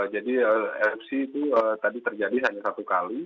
jadi erupsi itu tadi terjadi hanya satu kali